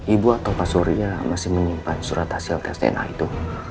ibu atau pak surya masih menyimpan surat hasil tes dna itu